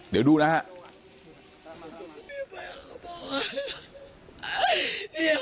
เดี๋ยวดูนะครับ